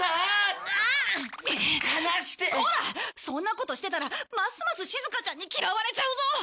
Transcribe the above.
そんなことしてたらますますしずかちゃんに嫌われちゃうぞ。